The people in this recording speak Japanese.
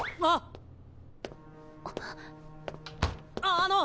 あの！